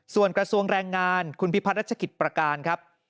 ส่วนกระทรวงแรงงานคุณพิพัฒนรัชกิจประการครับ